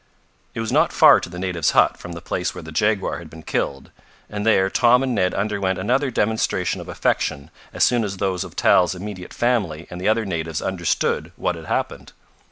It was not far to the native's hut from the place where the jaguar had been killed, and there Tom and Ned underwent another demonstration of affection as soon as those of Tal's immediate family and the other natives understood what had happened.